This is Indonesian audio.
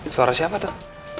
suara siapa tuh